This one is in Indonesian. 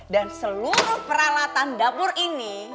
dan seluruh peralatan dapur ini